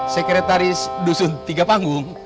sekretaris dusun tiga panggung